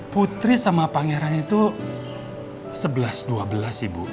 putri sama pangeran itu sebelas dua belas ibu